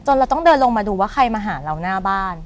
เราต้องเดินลงมาดูว่าใครมาหาเราหน้าบ้าน